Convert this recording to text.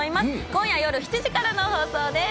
今夜夜７時からの放送です。